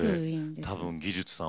それ多分技術さん